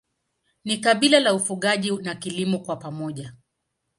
Ni kabila la ufugaji na kilimo kwa pamoja.